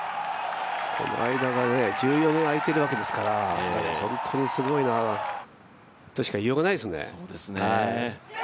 間が１４年空いているわけですから、本当にすごいなとしか言いようがないですね。